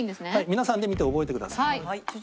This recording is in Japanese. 皆さんで見て覚えてください。